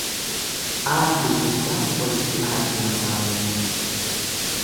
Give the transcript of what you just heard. Aadde! Jechaa walitti aaddi masaanuun.